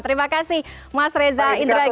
terima kasih mas reza indragi